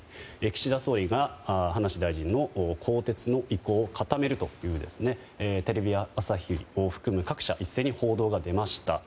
岸田総理が葉梨大臣の更迭の意向を固めるというふうにテレビ朝日を含む各社一斉に報道が出ました。